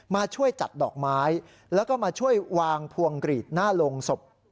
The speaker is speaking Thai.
มาช่วยจัดดอกไม้แล้วก็มาช่วยวางพวงกรีดหน้าโรงศพ